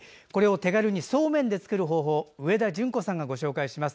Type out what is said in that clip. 手軽にそうめんで作る方法を上田淳子さんが紹介します。